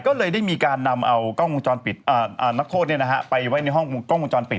ก็เลยได้มีการนำนักโฆษณ์ไปไว้ในห้องกองกองจอดปิด